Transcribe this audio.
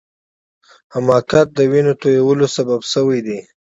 حماقت د وینو تویولو سبب سوی دی.